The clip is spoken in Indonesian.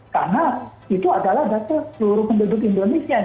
karena itu adalah data seluruh penduduk indonesia